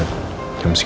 residensi aja baru break